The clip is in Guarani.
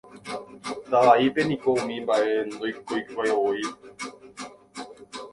Tava'ípe niko umi mba'e ndoikoivavoi.